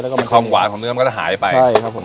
แล้วก็มีความหวานของเนื้อมันก็จะหายไปใช่ครับผม